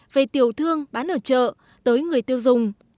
về tiểu thương bán ở chợ tới người tiêu dùng